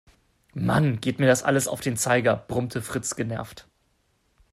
Mann, geht mir das alles auf den Zeiger, brummte Fritz genervt.